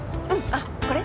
あっこれ？